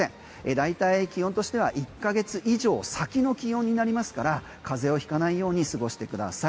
大体気温としては１ヶ月以上先の気温になりますから風邪をひかないように過ごしてください。